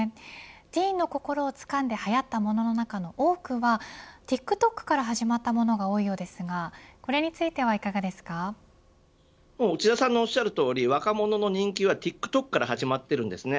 ティーンの心をつかんではやったものの中の多くはＴｉｋＴｏｋから始まったものが多いようですが内田さんのおっしゃるとおり若者の人気はＴｉｋＴｏｋから始まっているんですね。